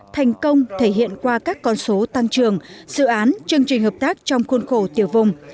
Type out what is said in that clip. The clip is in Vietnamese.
thành công thể hiện qua các con số tăng trường dự án chương trình hợp tác trong khuôn khổ tiểu vùng